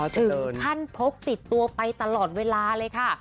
ถึงขั้นพกติดตัวไปตลอดเวลาเลยค่ะ